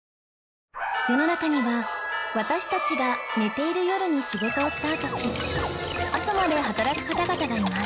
世の中には私たちが寝ている夜に仕事をスタートし朝まで働く方々がいます